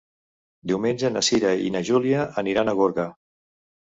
Diumenge na Cira i na Júlia aniran a Gorga.